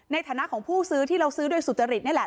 ในฐานะของผู้ซื้อที่เราซื้อโดยสุจริตนี่แหละ